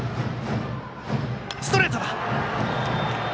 ストレートだ。